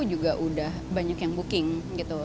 juga udah banyak yang booking gitu